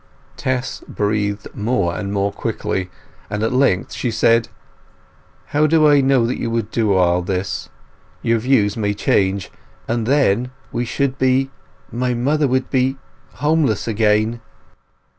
Tess breathed more and more quickly, and at length she said— "How do I know that you would do all this? Your views may change—and then—we should be—my mother would be—homeless again."